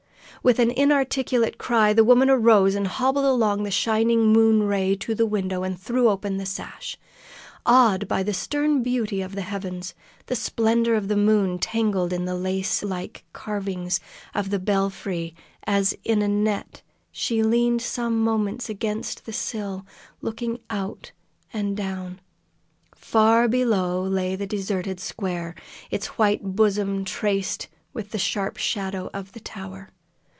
With an inarticulate cry the woman arose and hobbled along the shining moon ray to the window, and threw open the sash. Awed by the stern beauty of the heavens, the splendor of the moon tangled in the lace like carvings of the belfry as in a net, she leaned some moments against the sill, looking out and down. Far below lay the deserted square, its white bosom traced with the sharp shadow of the tower.